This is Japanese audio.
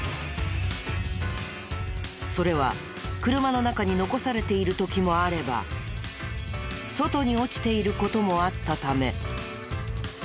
それは車の中に残されている時もあれば外に落ちている事もあったため。